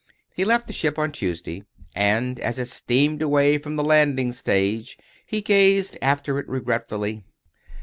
He left the ship on Tuesday, and as it steamed away from the landing stage he gazed after it regretfully.